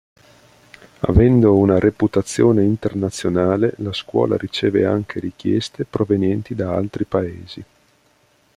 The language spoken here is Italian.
Avendo una reputazione internazionale, la scuola riceve anche richieste provenienti da altri paesi.